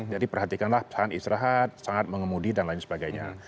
jadi perhatikanlah saat istirahat saat mengemudi dan lain sebagainya